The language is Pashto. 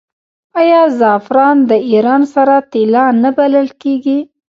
آیا زعفران د ایران سره طلا نه بلل کیږي؟